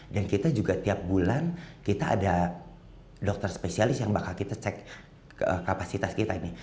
dan kita juga tiap bulan kita ada dokter spesialis yang bakal kita cek kapasitas kita ini